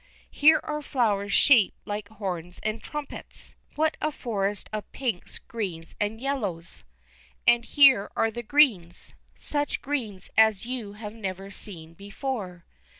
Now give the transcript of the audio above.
Here are flowers shaped like horns and trumpets. What a forest of pinks, greens, and yellows! And here are the greens. Such greens as you have never seen before.